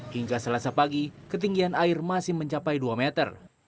hingga selasa pagi ketinggian air masih mencapai dua meter